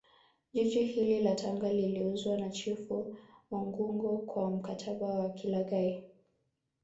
Jiji hili la Tanga liliuzwa na chifu mangungo kwa mkataba wa kilaghai